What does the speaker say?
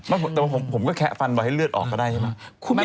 แต่ว่าผมก็แคะฟันไว้ให้เลือดออกก็ได้ใช่ไหม